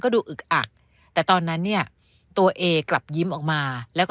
ดูอึกอักแต่ตอนนั้นเนี่ยตัวเอกลับยิ้มออกมาแล้วก็